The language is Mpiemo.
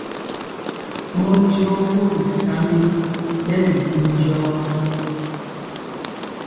Bɔɔnjɔɔ mori saŋgi nɛ bi du njɔɔ.